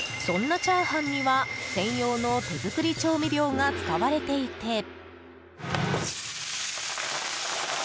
そんなチャーハンには、専用の手作り調味料が使われていて。